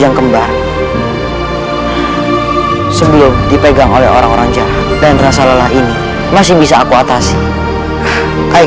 assalamualaikum warahmatullahi wabarakatuh